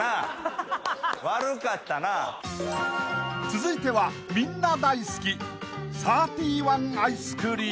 ［続いてはみんな大好き］